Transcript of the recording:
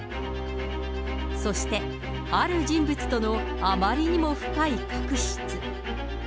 そして、ある人物とのあまりにも深い確執。